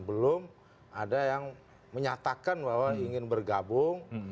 belum ada yang menyatakan bahwa ingin bergabung